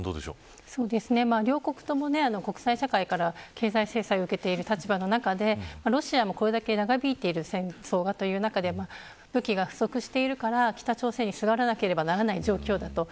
両国とも国際社会から経済制裁を受けている立場の中でロシアもこれだけ長引いている戦争の中で武器が不足してるから、北朝鮮にすがらなければならない状況です。